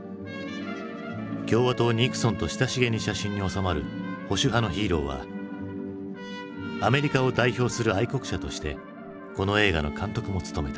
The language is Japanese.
共和党ニクソンと親しげに写真に納まる保守派のヒーローはアメリカを代表する愛国者としてこの映画の監督も務めた。